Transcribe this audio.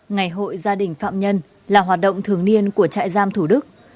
ngày hội gia đình phạm nhân là hoạt động thường niên của trại giam thủ đức